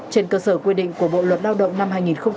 trên cơ sở quy định của bộ luật lao động năm hai nghìn một mươi năm